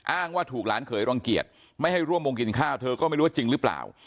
ว่าถูกหลานเขยรังเกียจไม่ให้ร่วมวงกินข้าวเธอก็ไม่รู้ว่าจริงหรือเปล่า